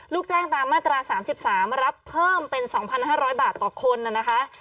ลูกจ้างตามมาตราสามสิบสามรับเพิ่มเป็นสองพันห้าร้อยบาทต่อคนอ่ะนะคะ